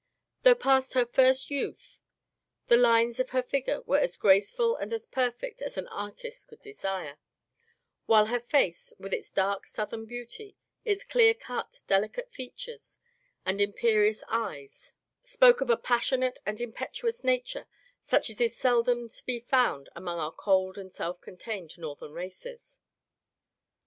Though past her first youth, the lines of her figure were as graceful and per fect as an artist could desire, while her face, with its dark Southern beauty, its clear cut, delicate features, and imperious eyes, spoke of a passion ate and impetuous nature, such as is seldom to be found among our cold and self contained Northern races.